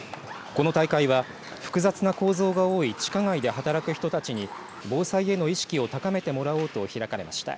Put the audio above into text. この大会は複雑な構造が多い地下街で働く人たちに防災への意識を高めてもらおうと開かれました。